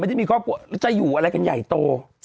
ไม่ใช่มีห้องครบจะอยู่อะไรกันใหญ่โต